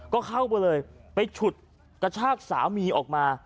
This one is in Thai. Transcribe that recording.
ก็เข้าไปเลยไปฉุดกระชากสามีออกมา